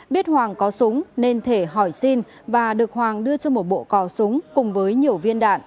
biết hoàng có súng nên thể hỏi xin và được hoàng đưa cho một bộ cò súng cùng với nhiều viên đạn